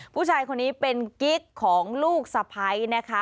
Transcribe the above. ผู้ชายคนนี้เป็นกิ๊กของลูกสะพ้ายนะคะ